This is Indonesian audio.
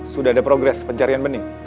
sudah ada progres pencarian bening